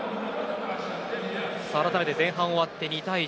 改めて前半が終わって２対１。